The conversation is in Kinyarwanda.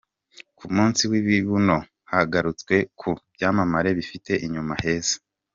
Ku munsi w’ibibuno hagarutswe ku byamamare bifite inyuma heza